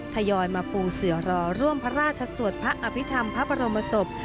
ทยอยมาปูเสือรอร่วมพระราชสวดพระอภิษฐรรมพระบรมศพ